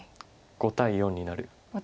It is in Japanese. ５対４になる。